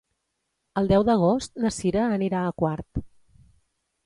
El deu d'agost na Sira anirà a Quart.